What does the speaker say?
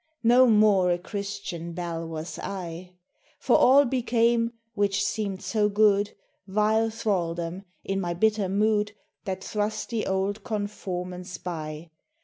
No more a Christian bell was I! For all became, which seemed so good, Vile thraldom, in my bitter mood That thrust the old conformance by.